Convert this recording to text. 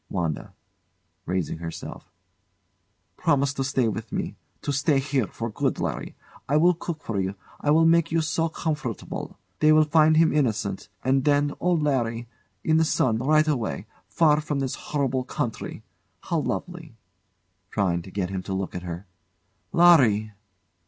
WANDA. [Raising herself] Promise to stay with me to stay here for good, Larry. I will cook for you; I will make you so comfortable. They will find him innocent. And then Oh, Larry! in the sun right away far from this horrible country. How lovely! [Trying to get him to look at her] Larry!